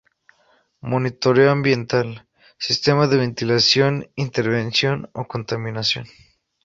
Monitoreo ambiental: sistema de ventilación, intervención o contaminación.